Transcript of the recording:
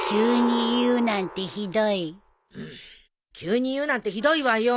急に言うなんてひどいわよ。